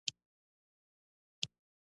دارثي خواصو په لېږد کې رول لري.